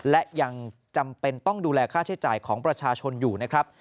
และยังจำเป็นต้องดูแลค่าใช้จ่ายของประชาชนอยู่นะครับ